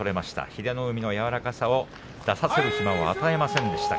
英乃海の柔らかさを出させる暇も与えませんでした。